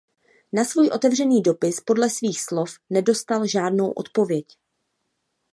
Na svůj otevřený dopis podle svých slov nedostal žádnou odpověď.